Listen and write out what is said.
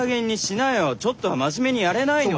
ちょっとは真面目にやれないの？